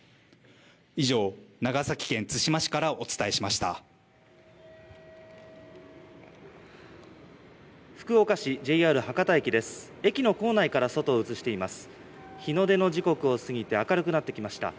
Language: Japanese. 以上、長崎県対馬市からお伝えしました。